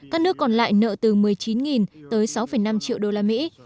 các nước còn lại nợ từ một mươi chín tới sáu năm triệu đô la mỹ